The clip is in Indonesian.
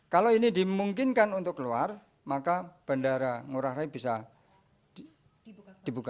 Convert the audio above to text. kalau ini dimungkinkan untuk keluar maka bandara ngurah rai bisa dibuka